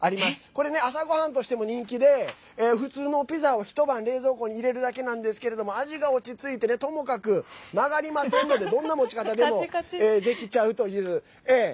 これね、朝ごはんとしても人気で普通のピザを一晩、冷蔵庫に入れるだけなんですけれども味が落ち着いてねともかく、曲がりませんのでどんな持ち方でもできちゃうという。